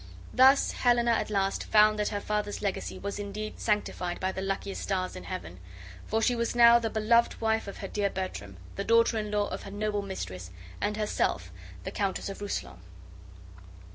Thus Helena at last found that her father's legacy was indeed sanctified by the luckiest stars in heaven; for she was now the beloved wife of her dear Bertram, the daughter in law of her noble mistress, and herself the Countess of Rousillon.